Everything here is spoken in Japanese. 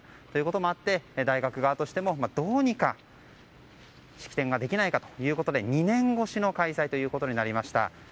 ということもあって大学側としてもどうにか式典ができないかということで２年越しの開催となりました。